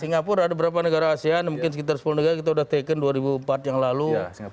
singapura ada beberapa negara asean mungkin sekitar sepuluh negara kita sudah taken dua ribu empat yang lalu